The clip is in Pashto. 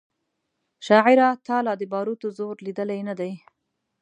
شاعره تا لا د باروتو زور لیدلی نه دی